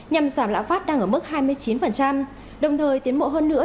nhằm giảm lãng phát đang ở mức hai mươi chín đồng thời tiến bộ hơn nữa